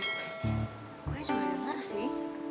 gue juga denger sih